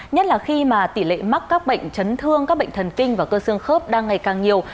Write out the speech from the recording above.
nhất là khi mà tỷ lệ mắc các bệnh chấn thương các bệnh thần kinh và cơ xương khớp đang ngày càng nhiều